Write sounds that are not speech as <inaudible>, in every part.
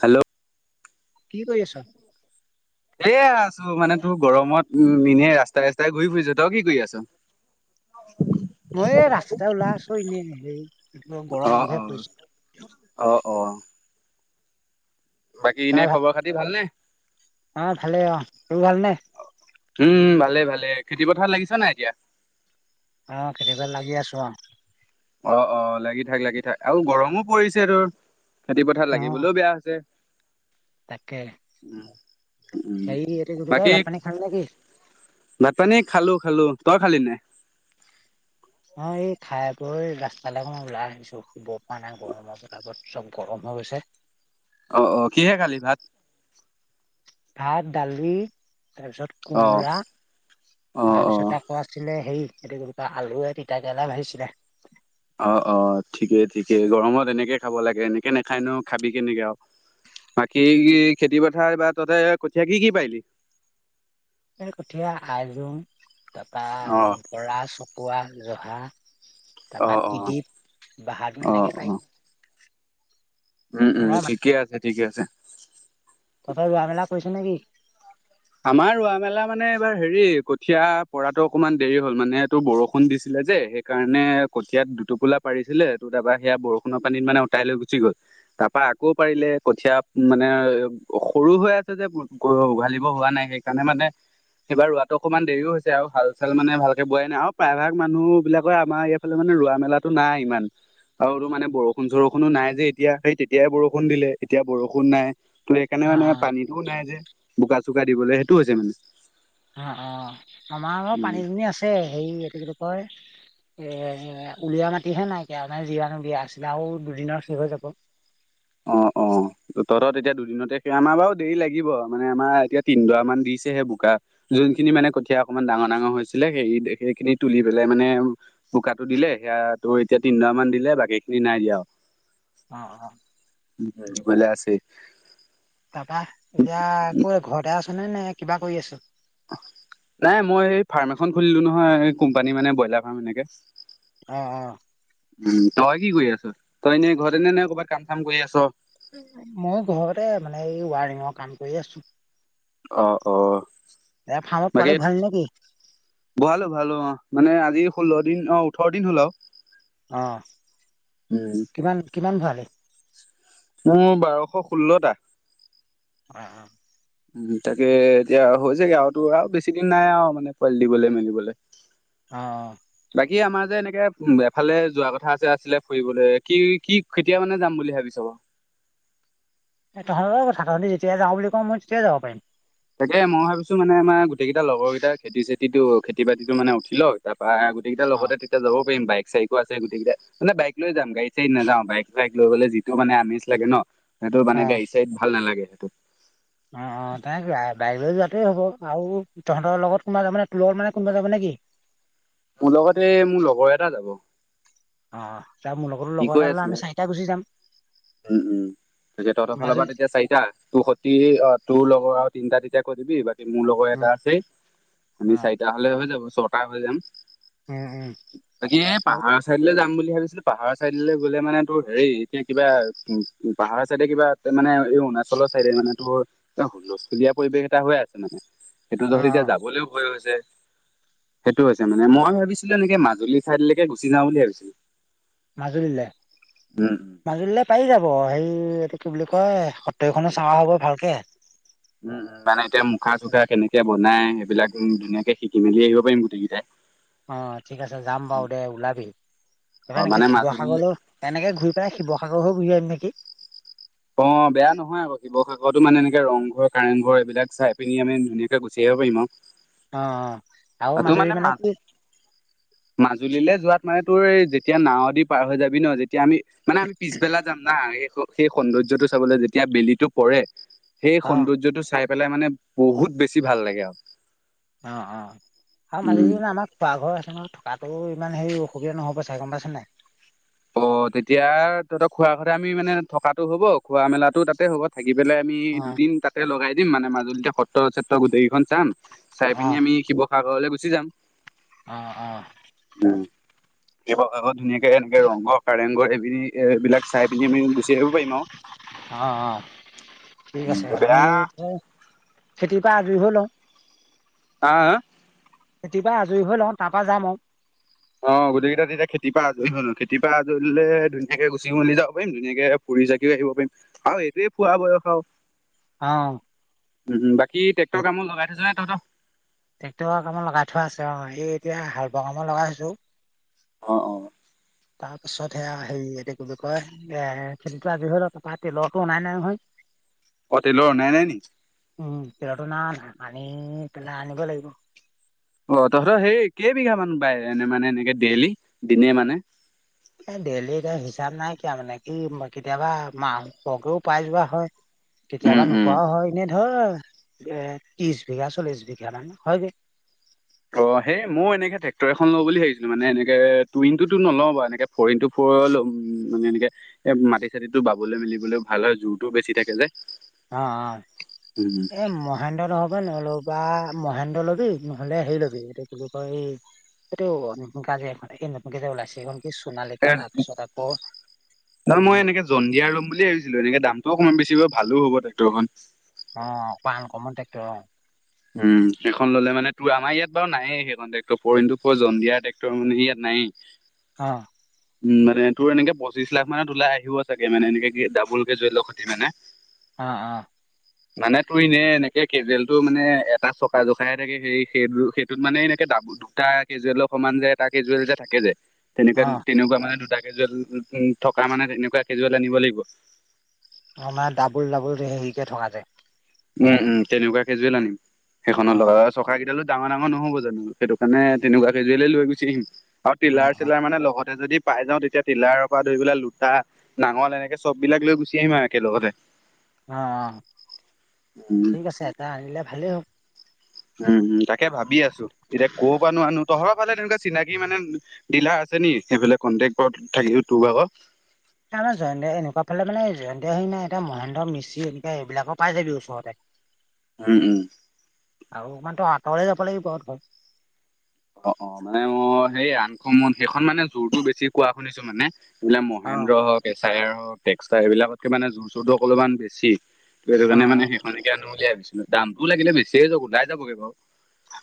Hello. কি কৰি আছ? এয়া আছো মানে তোৰ গৰমত উ এনে ৰাস্তাই ৰাস্তাই ঘূৰি ফুৰিচো, তই কি কৰি আছ? মই এ ৰাস্তাতে ওলাই আছোঁ এনে, হেৰি গৰম যিহে পৰিছে। অহ ', অহ '। বাকী ইনে তাৰ ভাল খবৰ খাতি ভালনে? অ' ভালেই অ' তোৰ ভালনে? উম', উম ', ভালে ভালে, খেতি পথাৰত লাগিছা নাই এতিয়া? অ খেতিবাটি লাগি আছো অ। অহ অহ লাগি থাক লাগি থাক আৰু গৰমো পৰিছে তোৰ। খেতি পথাৰত অ' লাগিবলৈও বেয়া হৈছে। তাকে উ, উম হেৰি এইটো কি বুলি কয় বাকী। ভাত পানী খালি নেকি? ভাত পানী খালো খালো, তই খালি নাই? <inaudible> মই এই খাই বৈ ৰাস্তালে অকণমান ওলাই আহিছো, শুব পৰা নাই গৰমৰ প্ৰতাপত, ছব গৰম হৈ গৈছে। অহ অহ কিহে খালি ভাত? ভাত দালি তাৰপিছত অ', কোমোৰা তাৰপিছত। অ আছিলে হেৰি এইটো কি বুলি কয় আলুয়ে তিতা কেৰেলাই ভাজিছিলে। অহ অহ ঠিকেই ঠিকেই, গৰমত এনেকেই খাব লাগে, এনেকে নাখায় নো খাবি কেনেকে আৰু। বাকি খেতি পথাৰ এইবাৰ তহতে কঠীয়া কি কি পাৰিলি? কঠীয়া আইজোং তাৰপৰা অ', বৰা, চকোৱা, জহা। অ অ তাৰপা তিদ্বীপ, বাহাদুৰ অ অ এনেকেই পাৰি। উম ৰ উম মা ঠিকে আছে ঠিকে আছে। তহঁতে ৰোৱা মেলা কৰিছ নেকি? আমাৰ ৰোৱা মেলা মানে এইবাৰ হেৰি কঠিয়া পৰাতো অকণমান দেৰি হ'ল মানে এইটো বৰষুণ দিছিলে যে সেই। সেই কাৰণে কঠিয়া দুটোপোলা পাৰিছিলে, তোৰ তাৰপৰা সেয়া বৰষুণৰ পানীত মানে উতাই লৈ গুচি গ'ল। তাৰপা আকৌ পাৰিলে কঠীয়া মানে সৰু হৈ আছে যে, উঘালি। ব হোৱা নাই, সেইকাৰণে মানে। এইবাৰ ৰোৱাটো অকণমান দেৰিও হৈছে আৰু হাল চাল মানে ভালকে বোৱাই নাই আৰু প্ৰায়ভাগ মানুহ বিলাকে আমাৰ ইয়াত। সেইটো ফালে মানে ৰোৱা মেলাটো নাই মানে ইমান। আৰু তোৰ মানে বৰষুণ চৰষুণো নাই যে এতিয়া, সেই তেতিয়াই বৰষুণ দিলে এতিয়া বৰষুণ নাই। ত সেইকাৰণে মানে অ', পানীটোও নাই যে বোকা চোকা দিবলৈ, সেইটো হৈছে মানে। অ', অ', আমাৰ উম, পানী দুনী আছে, হেৰি এইটো কি বুলি কয়? এ উলিওা মাটিহে নাইকিয়া মে জিৱাণৰ বিয়া আছিলে আৰু দুদিনত শেষ হৈ যাব অ অ তহতৰ তেতিয়া দুদিনতে আমাৰ বাৰু দেৰি লাগিব মানে আমাৰ এতিয়া তিনডৰা মান দিছেহে বোকা যোনখিনি মানে কঠিয়া অকমান ডাঙৰ ডাঙৰ হৈছিলে সেই সেইখিনি তুলি পেলাই মানে বোকাটো দিলে সেয়া তোৰ এতিয়া তিনিডৰা মান দিলে বাকী খিনি নাই দিয়া আৰু অ অ উ ভালে আছে তাপা এতিয়া কত ঘৰতে আছ নে নে কিবা কৰি আছ নাই মই এই ফাৰ্ম এখন খুলিলো নহয় কোম্পানী মানে ব্ৰইলাৰ ফাৰ্ম এনেকে অ অ উম তই কি কৰি আছ তই এনেই ঘৰতে ন নে কৰ'বাত কাম চাম কৰি আছ মই ঘৰতে মানে এই ৱাৰিঙৰ কাম কৰি আছো অ অ এ ফাৰ্মত পোৱালি ভৰালি নেকি ভৰিলো ভৰালো অ মানে আজি ষোল্ল দিন অ ওঠৰ দিন হ'ল আৰু অঁ উম কিমান কিমান ভৰালী মোৰ বাৰশ ষোল্লটা অ অ উ তাকে এতিয়া হৈছেগে আৰু তো আৰু বেছি দিন নাই আৰু মানে পোৱালি দিবলৈ মেলিবলৈ অঁ অ বাকী আমাৰ যে এনেকে উম এফালে যোৱা কথা যে আছিলে ফুৰিবলৈ কি কি কেতিয়া মানে যাম বুলি ভাবিছ বাৰু এই তহঁতৰ কথা তহতি তিয়াই যাওঁ বুলি কওঁ মই তেতিয়াই যাব পাৰিম তাকে মই ভাবিছো মানে আমাৰ গোটেই কিটা লগৰ কিটাৰ খেতি চেতি খেতি বাতিটো মানে উঠি ল তাৰ পা গোটেইকিতা অ', লগতে তেতিয়া যাব পাৰিম বাইক চাইকো আছে গোটেই কিতা মানে বাইক লৈ যাম গাড়ী চাড়ী নাযাও বাইক চাইকৈ লৈ গ'লে সটো মানে আমেজ লাগে ন সেইটো মানে অ'। গাড়ী চাড়ীত ভাল নালাগে সেইটো অ অ তেনে বাইক লৈ যোৱাটোৱে হ'ব আৰু তহঁতৰ লগত কোনোবা যাব নে তোৰ লগত মানে কোনোবা যাব নেকি মোৰ লগতে এই মোৰ লগৰ এটা যাব অ তাৰ মোৰ লগতো সি লগৰ কৈ এটা ললে আছিলে আমি চাৰিটাই গুচি যাম উম উম ত তহতৰ ফালৰ পৰা মাজুলী তেতিয়া চাৰিটা তোৰ সতি অ তোৰ লগৰ আৰু তিনটা তেতিয়া কৈ দিবি বা কী মোৰ লগৰ উম এটা আছেই অ আমি চাৰিটা হলে হৈ যাব ছটা হৈ যাম উম উম তাকে এই অ পাহাৰৰ চাইডলৈ যাম বুলি ভাবিছিলো পাহাৰৰ চাইডলৈ গ'লে মানে তোৰ হেৰি এতিয়া কিবা পাহাৰৰ চাইডে কিবা এ মানে এই অৰুণাচলৰ চাইডে মানে তোৰ অ হুললস্থুলীয়া পৰিৱেশ এটা হৈ আছে মানে সেইটো অ তহত এতিয়া যাবলৈও ভয় হৈছে সেইটো হৈছে মানে মই ভাবিছিলোঁ এনেকে মাজুলী ছাইডলৈকে গুচি যাওঁ ভাবছিলোঁ মাজুলীলে উম উম মাজুলীলে পাৰি যাব হেৰি এইটো কি বুলি কয় সত্ৰকেখনো চোৱা হব ভালকে উম উম মানে এতিয়া মুখা চুখা কেনেকে বনাই সেইবিলাক উম ধুনীয়াকে শিকি মেলি আহিব পাৰিম গোটেইকিটাই অ ঠিক আছে যাম বাৰু দে ওলাবি অ এইবাৰ মানে এনেকে মাজুলী শিৱসাগৰলৈ এনেকে ঘূৰি পেলাই শিৱসাগৰ হৈ ঘূৰি আহিম নেকি অ বেয়া নহয় আকৌ শিৱসাগৰতো মানে এনেকে ৰংঘৰ কাৰেং ঘৰ এইবিলাক চাই পিনি মানে ধুনীয়া কে গুচি আহিব পাৰিম আৰু অ আৰু তাতো মাজুলীত মা মানে কি? মাজুলীলৈ যোৱাত মানে তোৰ যেতিয়া নাৱেদি পাৰ হৈ যাবি ন, যেতিয়া আমি মানে আমি পিছবেলা যাম। না সেই সৌন্দৰ্যটো চাবলৈ যেতিয়া বেলিটো পৰে, সেই অ সৌন্দৰ্যটো চাই। পেলাই মানে বহুত বেছি ভাল লাগে আৰু। অ অ আৰু উম <unintelligible> আমাক। পাকঘৰ আছে নহয় থকাতো ইমান হেৰি অসুবিধা নহ'ব চাই গম পাইছ নাই। অ তেতিয়া তহঁতৰ খোৱা কথা আমি মানে থকাটো হ'ব খোৱা মেলাতো তাতে হ'ব। থাকি পেলাই আমি অ দুদিন তাতে লগাই দিম মানে মাজুলীতে সত্ৰ চত্ৰ গোটেইকেইখন চাম। চাই অ', পিনি আমি শিৱসাগৰলৈ গুচি যাম। অঁ অঁ। উ' শিৱসাগত ধুনীয়াকে এনেকে ৰংঘৰ কাৰেংঘৰ এই পিনি। এইবিলাক চাই পিনি আমি গুচি আহিব পাৰিম আৰু। অ' অ'। ঠিক আছে, আমি বেয়া খেতিৰ পৰা আজৰি হৈ লওঁ। আ আ। খেতিপা আজৰি হৈ লওঁ তাৰপৰা যাম আৰু। অ গোটেইকেইটা তেতিয়া খেতি পৰা আজৰি হৈ লও, খেতি পৰা আজৰি ললে ধুনীয়াকে গুচি মেলি যাব পাৰিম ধুনীয়াকে। ফুৰি চাকিও আহিব পাৰিম আৰু এইটোৱে ফূৰা বয়স আৰু। অ'। উম' বাকী ট্ৰেক্টৰ কামত লগাই থৈছ নে তহঁতৰ। ট্ৰেক্টৰ কামত লগাই থোৱা আছে অ, হেই এতিয়া হাল বোৱা কামত লগাই আছো। অ' অ'। তাৰ পাছত সেয়া হেৰি কবি কয় এ খেতিটো আজি হলও তাৰপৰা তেলৰো অনাই নাই নহয়। <inaudible> অ টেইলৰ অনাই নাই নেকি? উম' তেওটো নাই অনা আনি পেলাই আনিবই লাগিব। অ তহঁতৰ সেই কেইবিঘা মান বাই এনে মানে এনেকে ডেইলি? দিনে মানে। এ ডেইলি এতিয়া হিচাপ নাইকিয়া মানে কি কেতিয়াবা মা সহকেও পাই যোৱা হয়। উম কেতিয়াবা উম নোপোৱাও হয় এনেই ধৰ এ ত্ৰিশ বিঘা, চল্লিশ বিঘা মান হয়গে। অ' সেই ময়ো এনেকে ট্ৰে্টৰ এখন লওঁ বুলি ভাবিছিলো মানে এনেকে টুইন টোতো নলওঁ বাও এনেকে। ফ'ৰ ইটু ফৰ লম মানে এনেকে। এ মাটি চাতি টো বাবলৈ মেলিবলৈ ভাল হয়, জোৰতটো বেছি থাকে যে। উম অ' এই মহেন্দ্ৰ নহব নল ও। বা মহেন্দ্ৰ লবি নহ'লে হেৰি ল'বি এইটো কি বুলি কয় এই। এইেইটো <unintelligible> এখন এই নতুন কে ওলাইছে এইখন। চোনালিকা এ তাৰ পিছত আকৌ। ডন্ধিয়া লম বুলি ভাবিছিলো এনেক দামটো অকমান বেছি হয় ভালো হব টেক্টৰখন। অ' অকমান আনকমন ট্ৰেক্টৰ। উম' সেইখন ল'লে মানে তোৰ আমাৰ ইয়াত বাৰু নায়েই সেইখনেৰে, ফৰ ইনটো ফৰ জন্দিয়া ট্ৰেকটৰ মানে ইয়াত নায়েই। অ' উম' মানে তোৰ এনেকে পঁচিছ লাখ মানত ওলাই আহিব চাগে মানে এনেকে ডাবুল কেজুৱেল খনি মানে। অ' অ' মানে তোৰ এনে এনেকে কেজুৱেলটো মানে। এটা চকা জোখাইে থাকে সে সেইটো সেইটোত মানে এনেকে ডাবুল। দুটা কেজুৱেলৰ সমান যে এটা কেজুৱেল যে থাকে যে। অ তেনেকুৱা, তেনেকুৱা মানে দুটা কেজুৱেল থকা মানে তেনেকুৱা কেজুৱেল আনিব লাগিব। অমাৰ ডাবুল-ডাবুল হেৰিকে থকা যে। উমঁ-উমঁ, তেনেকুৱা কেজুৱেল আনিম। অ সেইখনৰ অ লগত- থকা কেইডালো ডাঙৰ-ডাঙৰ নহ'ব জানো সেইটো কাৰণে তেনেকুৱা কেজুৱেল লৈ গুচি আহিম আৰু- অ অ টিলাৰ-চিলাৰ মানে লগতে যদি- পাই যাওঁ তেতিয়া টিলাৰৰ পৰা ধৰি পেলাই লোটা, নাঙল এনেকে চববিলাক লৈ গুচি আহিম আৰু একে লগতে। অঁহ', -অঁহ', উম, ঠিক আছে এতিয়া আনিলে ভালেই হ'ব। উমঁ-উমঁ, তাকে ভাবি আছো, এতিয়া ক'ৰ পৰা নো আনো। তহঁতৰ ফালে তেনেকুৱা চিনাকি মানে- ডিলাৰ আছে নিকে সেইফালে কণ্টেক থাকিব তোৰ ভাগ? আমাৰ জয়ন্ত এনেকুৱা ফালে মানে জয়ন্ত হৰি নাই এতিয়া মহেন্দ্ৰ মিশি এনেকা এইবিলাকৰ পৰাই যাবি ওচৰতে। <unintelligible> উমঁ-উমঁ। আৰু অকণমান তো আঁতৰলে যাব লাগিব আৰু। অঁহ', -অঁহ', -মানে অঁ', -সেই আনকমন সেইখন মানে জোৰটো বেছি কোৱা শুনিছো মানে। এইবিলাক অ মহেন্দ্ৰ হওঁক, এচাইৰ হওঁক, টেক্সটাইল, এইবিলাকতকে মানে জোৰ চোৰটো অলপমান বেছি। ত' সেইটো অ অ কাৰণে সেইখনকে আনো বুলি ভাবিছিলো, দামটো লাগিলে বেছিয়ে হওঁক ওলাই যাবগে বাৰু।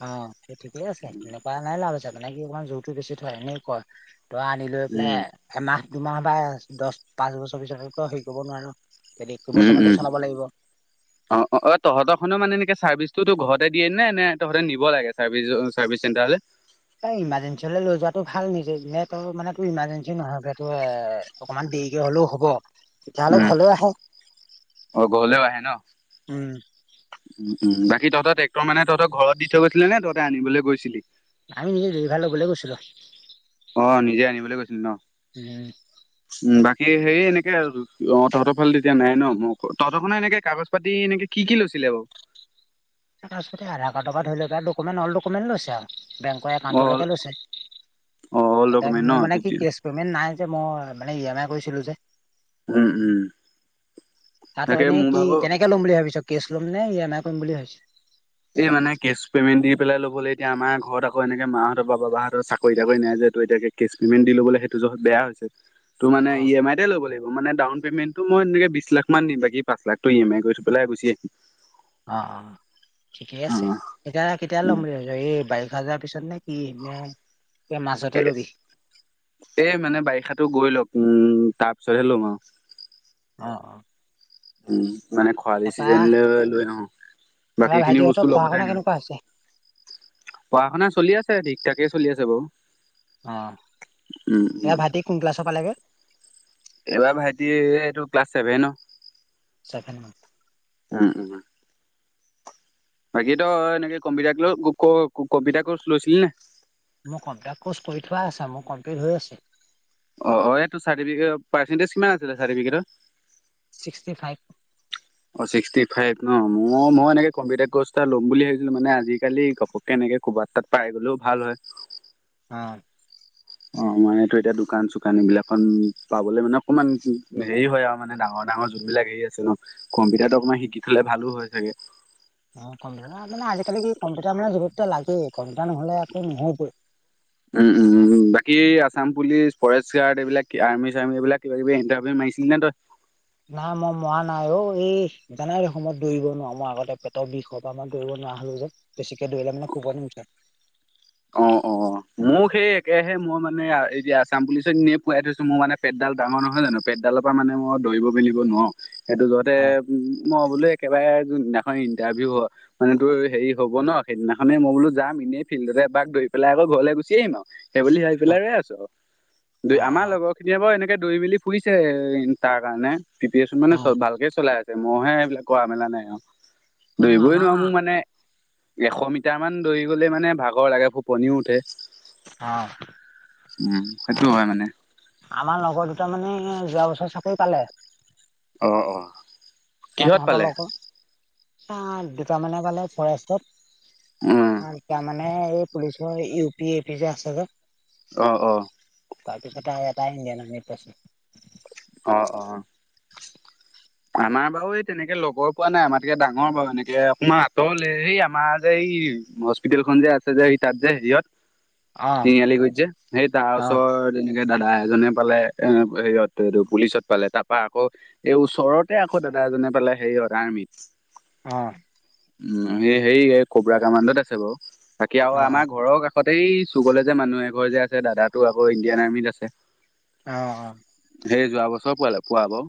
অঁহ', -সেই ঠিকে আছে, তেনেকুৱা লোৱাই লাভ আছে মানে কি অকণমান জোৰটো বেছি হয় এনেকুৱাই। তই আনি লৈ পেলাই উম এমাহ, দুমাহ বা দ'হ, পাঁচ বছৰ পিছত আকৌ হেৰি কৰিব নোৱাৰে ন। দুবছৰ মানটো চলাব লাগিব। অঁ', -অঁ', -অ', তহঁতৰ খনেও মানে এনেকে চাৰ্ভিছটো ঘৰতে দিয়ে নে, নে তহঁতে নিব লাগে- চাৰ্ভিছ, চাৰ্ভিছ চেণ্টাৰলে? এ' ইমাৰ্জেঞ্চি হ'লে লৈ যোৱাটো ভাল, নিজেই এনেইটো মানে ত' ইমাৰ্জেঞ্চি নোহোৱাকে তো এ- অকণমান দেৰিকে হ'লেও হ'ব তেতিয়াহ'লে উম ঘৰলে আহে। অ' ঘৰলেও আহে ন? উমঁ। উমঁ-উমঁ, বাকী' তহঁতৰ ট্ৰে্ক্টৰ মানে তহঁতৰ ঘৰত দি থৈ গৈছিলে নে তহঁতে আনিবলৈ গৈছিলি? আমি নিজেই আনিবলৈ বুলি গৈছিলো। অঁ', -নিজে আনিবলৈ গৈছিল ন। উমঁ। উমঁ, বাকী হেৰি এনেকে অঁ', -তহঁতৰ ফালে তেতিয়া নাই ন' উম' তহঁতৰখনে এনেকে কাগজ- পাটি এনেকে কি কি লৈছিলে বাৰু? তাৰ কাগজ-পাটি আধা কাৰ্ডৰ পৰা ধৰি লওঁক অ'লদকমেট লৈছে আৰু। বেংকৰ একাউন্ট অল টোলৈকে লৈছে। অ', অল ত' ডকুমেণ্ট ন মোৰ মানে কি তেতিয়া কেছ- পেমেণ্ট নাই যে, মই মানে ই এম আই কৰিছিলোঁ যে। উমঁ-উমঁ। তা'ত হয় নে কি কেনেকে ল'ম বুলি ভাবিছ? কেছ ল'ম নে ই এম আই কৰিম বুলি ভাবিছ? এই মানে কেছ পেমেণ্ট দি পেলাই ল'বলে এতিয়া আমাৰ ঘৰত আকৌ এনেকে মাহঁতৰ বা বাবাহঁতৰ চাকৰি-বাকৰি নাই যে, ত' এতিয়া সেই- কেচ পেমেণ্ট দি ল'বলৈ সেইটো জহত বেয়া হৈছে। ত' মানে অ ই এম আই- টোকে ল'ব লাগিব, মানে ডাউন পেমেণ্টটো মই এনেকে বিশ লাখ মান দিম। বাকী' পাঁচ লাখটো ই এম আই কৰি থয় পেলাই গুচি আহিম। অঁহ', -অঁহ', -ঠিকেই আছে। অ', এতিয়া কেতিয়া ল'ম উম, বুলি ভাবিছ, এই বাৰিষা যোৱাৰ পিছত নে- কি নে এই মাজতে লবি? এ' মানে বাৰিষাতো গৈ লওঁক, উমঁ' তাৰ পিছত'হে লম আৰু। অঁহ', -অঁহ',। উমঁ, মানে খৰালি চিজন লৈ অঁ', তাৰপা বাকী খিনি ভাইটিহঁতৰ বস্তু পঢ়া লগতে শুনা আনিম। কেনেকুৱা হৈছে? পঢ়া শুনা চলি আছে, ঠিকঠাকেই চলি আছে বাৰু। অ', উম উম। এইবাৰ ভাইতি কোন ক্লাছৰ পালেগৈ? এইবাৰ ভাইটি, এইটো ক্লাছ ছেভেনৰ। চেভেনৰ। উম উম। বাকীতো এনেকে কম্পিউটাৰ কৰ্চ, কম্পিউটাৰ কৰ্চ লৈছিলি নে? মোৰ কমিউটাৰ কৰ্চ কৰি থোৱা আছে, মোৰ কমপ্লিট হৈ আছে। অ', অ', এই তোৰ চাৰ্টিফিকেটৰ, পাৰ্চেণ্টেজ কিমান আছিলে চাৰ্টিফিকেটৰ? Sixty five. অ', ছিক্সটি ফাইভ ন, ম-মই এনেকে কম্পিউটাৰ কৰ্চ এটা ল'ম বুলি ভাবিছিলোঁ, মানে আজিকালি ইনেকে ক'ৰবাত তাত পাই গ'লেও ভাল হয়। অ'। অ', মানে এই তোৰ এতিয়া দোকান চোকান এইবিলাকত পাবলে মানে অকণমান হেৰি হয় আৰু, মানে ডাঙৰ ডাঙৰ যোনবিলাক হেৰি আছে ন, কম্পিউটাৰটো অকণমান শিকি থ'লে ভালো হয় চাগে। অ', কম্পিটাৰ মানে আজিকালি কি, কম্পিউটাৰ মানে যতে ততেই লাগেই, কম্পউটাৰ নহ'লে একো নহ'ইগেই। উম উম, বাকী আছাম পুলিচ, ফৰেষ্ট গাৰ্ড এইবিলাক আৰ্মি চাৰ্মি এইবিলাক কিবা কিবি ইণ্টাৰভিউ মাৰিছিলি নে তই? নাই, মই মৰা নাইঔ, এই জানাই দেখোন, মই দৌৰিব নোৱাৰোঁ, মই আগতে পেটৰ বিষৰ পৰা মই দৌৰিব নোৱাৰা হ'লো যে। বেছিকে দৌৰিলে মানে ফুপনি উঠে। অ', অ', অ'। মোক সেই একেহে, মই মানে এতিয়া আছাম পুলিচত এনেই পুৱাই থৈছোঁ, মোৰ মানে পেটডাল ডাঙৰ নহয় জানো? পেটডালৰ পৰা মানে মই দৌৰিব মেলিব নোৱাৰো, সেইটো যহতে অ উম, মই বোলো একেবাৰে যোনদিনাখন ইণ্টাৰভিউ হয় মানে তোৰ, হেৰি হ'ব ন, সেইদিনাখনেই মই বোলো যাম, এনেই ফিল্ডতে এপাক দৌৰি পেলাই আকৌ ঘৰলৈ গুচি আহিম আৰু, সেইবুলি ভাবি অ পেলাই ৰৈ আছোঁ আৰু, দু অ আমাৰ লগৰ খিনিয়ে বাৰু এনেকে দৰি মেলি ফুৰিছে ইনতাৰ কাৰণে, প্ৰিপিৰেচন মানে অ অ ভালকেই চলাই আছে। মইহে এইবিলাক কৰা মেলা নাই আৰু, অ দৌৰিবই আমাৰ নোৱাৰো মোৰ মানে এশ মিটাৰ মান দৌৰি গ'লেই মানে ভাগৰ লাগে, ফোপনিও উঠে। অ'। উম সেইটো হয় <unintelligible> মানে আমাৰ লগৰ দুটামানে এই যোৱা বছৰ চাকৰি পালে। অ', অ'। বা কিহত তাহতৰ পালে লগৰ, দুটামানে পালে ফৰেষ্টত। উম অ', এতিয়া মানে এই পুলিচৰ ইউ পি, এ পি যে আছে যে। অ', অ'। তাৰপিছতে আৰু এটাই ইণ্ডিয়ান আৰ্মীত পাইছে। অ', অ', অ'। আমাৰ বাৰু এই তেনেকে লগৰ পোৱা নাই, আমাতকে ডাঙৰ বাৰু, এনেকে অকমান আঁতৰলে, সেই আমাৰ যে এই হস্পিিতেলখন যে আছে যে, সেই তাত যে হেৰিয়ত। উ তিনিআলি গুৰিত যে, সেই তাৰ ওচৰত তেনেকে দাদা এজনে পালে এই হেৰিয়ত, এইটো পুলিচত পালে, তাৰপৰা আকৌ এই ওচৰত এই আকৌ দাদা এজনে পালে হেৰিয়ত আৰ্মিত। অ'। উম, এই হেৰি, এই কবৰা কামাণ্ডত আছে বাৰু, বাকী আৰু অ অ আমাৰ ঘৰৰ কাষ তহঁত এই চুকলে যে মানুহ এঘৰ যে আছে দাদাতো আকৌ ইণ্ডিয়ান আৰ্মিত আছে। অ', অ'। সেই যোৱা বছৰ পোৱালে পোৱা বাৰু।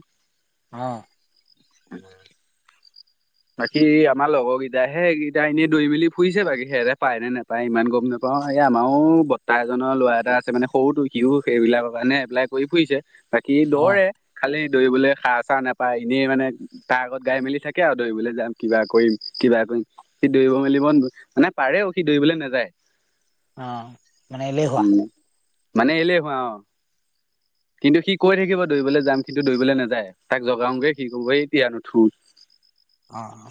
অ'। উম। বাকী আমাৰ লগৰ কেইটাহে এইকিতা এনেই দৈ মেলি ফুৰিছে বাকী সেহেঁতে পায়নে নোপায় ইমান গম নাপা <unintelligible> আমাৰো বৰ্তা এজনৰ ল'ৰা এটা আছে মানে সৰুটো সিওঁ সেইবিলাকৰ কাৰণে এপ্লাই কৰি ফুৰিছে। বাকী অ দৌৰে খালি দৌৰিবলৈ সাৰ চাৰ নাপায় এনেই মানে তাৰ আগত গাই মেলি থাকে আৰু। দৌৰিবলৈ যাম কিবা কৰিম কিবা কৰিম। সি দৌৰিব মেলিব মানে পাৰেও সি দৌৰিবলৈ নাযায়। অ', মানে এলেহুৱা। উম, মানে এলেহুৱা অ' কিন্তু সি কৈ থাকিব দৌৰিবলৈ যাম কিন্তু দৌৰিবলৈ নাযায়। তাক জগাওগে সি ক'ব এই এতিয়া নুঠো। অ', অ'।